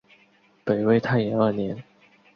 北魏太延二年。